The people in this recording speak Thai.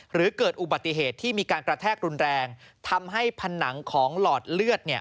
หรือเกิดอุบัติเหตุที่มีการกระแทกรุนแรงทำให้ผนังของหลอดเลือด